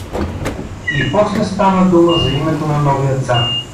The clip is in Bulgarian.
И после стана дума за името на новия цар.